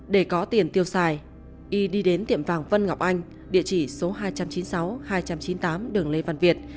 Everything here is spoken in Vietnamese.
để có tiền tiêu xài y đi đến tiệm vàng vân ngọc anh địa chỉ số hai trăm chín mươi sáu hai trăm chín mươi tám đường lê văn việt